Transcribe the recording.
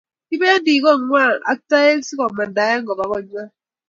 Kipendi kongwak ak taek sikomandaen kobaa konywan